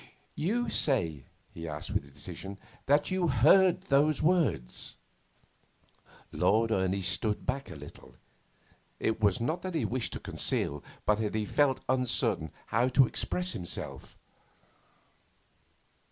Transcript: You say,' he asked with decision, 'that you heard those words?' Lord Ernie stood back a little. It was not that he wished to conceal, but that he felt uncertain how to express himself.